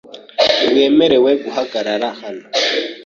Ntiwemerewe guhagarara hano .